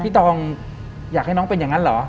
ตองอยากให้น้องเป็นอย่างนั้นเหรอ